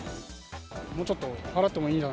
もうちょっと払ってもいいん